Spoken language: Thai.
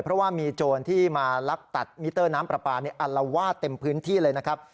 เพราะว่ามีโจรที่มาลักตัดมิเตอร์น้ำปลาปลาอัลวาดเต็มพื้นที่เลยนะครับ